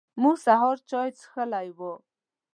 موږ سهار چای څښلی و.